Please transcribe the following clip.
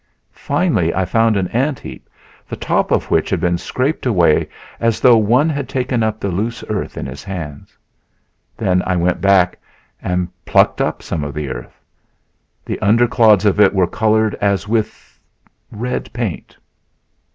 Finally I found an ant heap, the top of which had been scraped away as though one had taken up the loose earth in his hands. Then I went back and plucked up some of the earth. The under clods of it were colored as with red paint...